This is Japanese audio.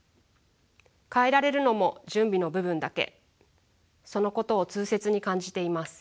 変えられるのも準備の部分だけそのことを痛切に感じています。